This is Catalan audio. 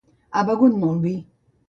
Ha begut molt de vi.